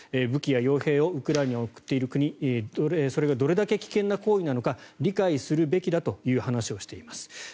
武器や傭兵をウクライナに送っている国それがどれだけ危険な行為なのか理解するべきだという話をしています。